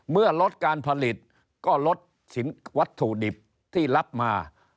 เมื่อลดการผลิตก็ลดวัตถุดิบที่รับมา